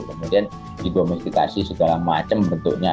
kemudian didomestikasi segala macam bentuknya